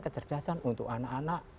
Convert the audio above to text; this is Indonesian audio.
kecerdasan untuk anak anak